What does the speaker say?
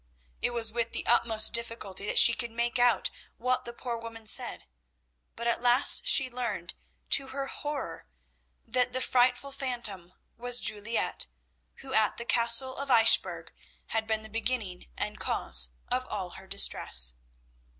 It was with the utmost difficulty that she could make out what the poor woman said, but at last she learned, to her horror, that the frightful phantom was Juliette, who at the Castle of Eichbourg had been the beginning and cause of all her distress.